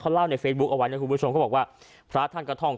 เล่าในเฟซบุ๊คเอาไว้นะคุณผู้ชมเขาบอกว่าพระท่านก็ท่อง